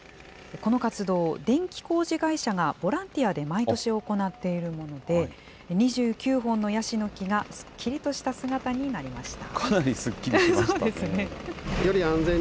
この活動、電気工事会社がボランティアで毎年行っているもので、２９本のヤシの木がすっきりとした姿になりました。